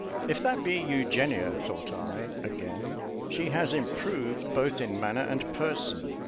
"If that be Eugenia," thought I, again, "she has improved both in manner and person.